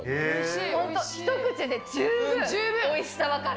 本当、一口で十分おいしさ分かる。